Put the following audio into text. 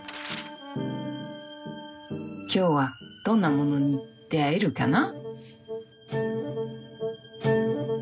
今日はどんなものに出会えるかな。